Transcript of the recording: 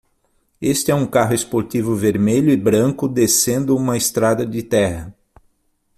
Este é um carro esportivo vermelho e branco descendo uma estrada de terra.